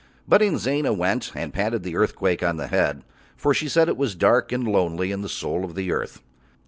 But Inzana went and patted the Earthquake on the head, for she said it was dark and lonely in the soul of the earth.